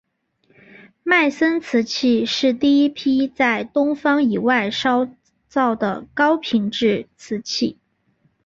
迈森瓷器是第一批在东方以外烧造的高品质的瓷器。